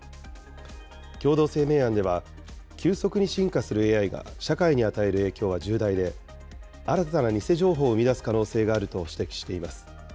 共同声明案では、急速に進化するＡＩが社会に与える影響は重大で、新たな偽情報を生み出す可能性があると指摘しています。